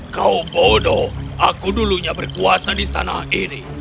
kau bodoh aku dulunya berkuasa di tanah ini